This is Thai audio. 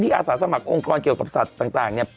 อาสาสมัครองค์กรเกี่ยวกับสัตว์ต่างเนี่ย